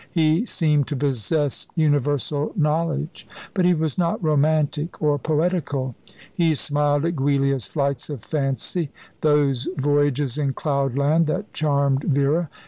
He seemed to possess universal knowledge; but he was not romantic or poetical. He smiled at Giulia's flights of fancy, those voyages in cloud land that charmed Vera.